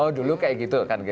oh dulu kayak gitu kan